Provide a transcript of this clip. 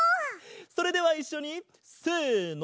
それではいっしょにせの。